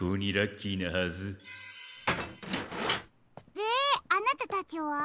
であなたたちは？